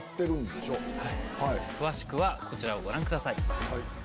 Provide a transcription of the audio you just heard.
詳しくはこちらをご覧ください。